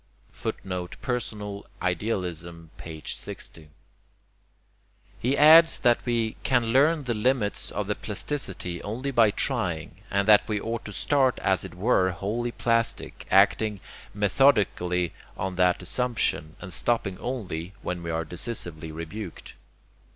[Footnote: Personal Idealism, p. 60.] He adds that we can learn the limits of the plasticity only by trying, and that we ought to start as if it were wholly plastic, acting methodically on that assumption, and stopping only when we are decisively rebuked.